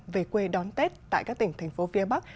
về quê đón tết tại các tỉnh thành phố phía bắc